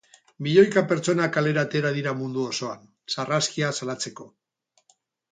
Milioika pertsona kalera atera dira mundu osoan, sarraskia salatzeko.